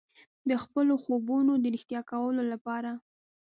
د خپلو خوبونو د ریښتیا کولو لپاره.